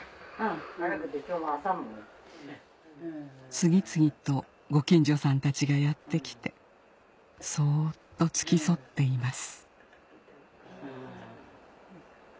次々とご近所さんたちがやって来てそっと付き添っています